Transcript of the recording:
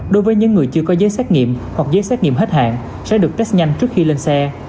đối với những người chưa có giấy xét nghiệm hoặc giấy xét nghiệm hết hạn sẽ được test nhanh trước khi lên xe